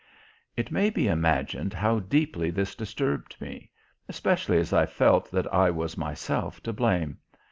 It may be imagined how deeply this disturbed me, especially as I felt that I was myself to blame.